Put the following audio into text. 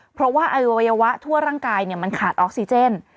เพราะว่าอวัยวะทั่วร่างกายมันขาดออกซิเจน